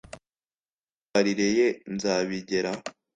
imyitwarire ye nzabigeraho